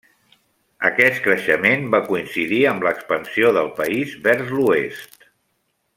Aquest creixement va coincidir amb l’expansió del país vers l’oest.